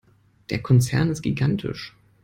Der Konzern ist gigantisch.